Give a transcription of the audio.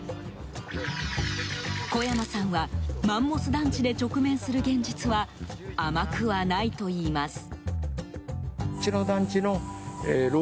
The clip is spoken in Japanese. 小山さんはマンモス団地で直面する現実は甘くはないといいます。